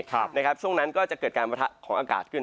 ช่วงนั้นก็จะเกิดการประทะของอากาศขึ้น